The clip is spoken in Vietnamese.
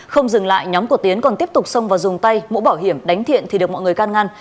không dừng lại nhóm của tiến còn tiếp tục xông vào dùng tay mũ bảo hiểm đánh thiện thì được mọi người can ngăn